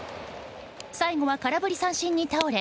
最後は空振り三振に倒れ